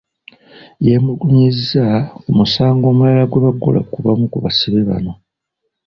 Yeemulugunyizza ku musango omulala gwe baggula ku bamu ku basibe bano.